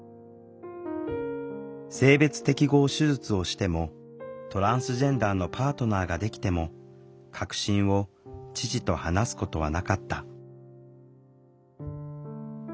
性別適合手術をしてもトランスジェンダーのパートナーができても核心を父と話すことはなかった。